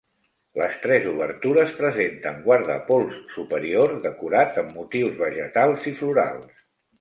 Les tres obertures presenten guardapols superior decorat amb motius vegetals i florals.